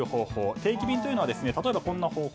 定期便というのは例えば、こんな方法。